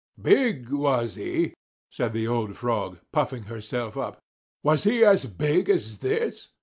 "Big, was he!" said the old Frog, puffing herself up. "Was he as big as this?"